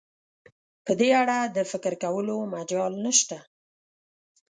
په دې اړه د فکر کولو مجال نشته.